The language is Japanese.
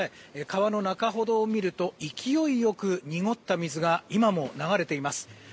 川の中ほどを見ると勢いよく、濁った水が今も流れています。